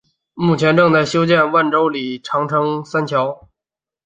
目前正在修建万州长江三桥。